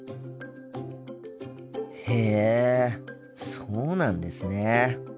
へえそうなんですね。